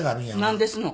何ですの？